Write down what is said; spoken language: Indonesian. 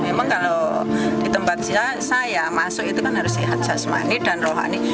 memang kalau di tempat saya masuk itu kan harus lihat jasmani dan rohani